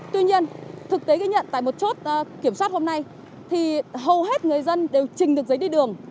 tuy nhiên thực tế ghi nhận tại một chốt kiểm soát hôm nay thì hầu hết người dân đều trình được giấy đi đường